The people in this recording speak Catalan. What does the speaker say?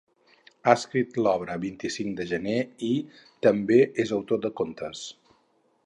Ha escrit l’obra vint-i-cinc de gener i també és autor de contes.